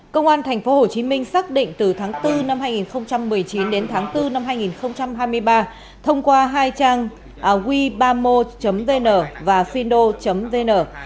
công an tp hcm xác định từ tháng bốn năm hai nghìn một mươi chín đến tháng bốn năm hai nghìn hai mươi ba thông qua hai trang web bamo vn và findo vn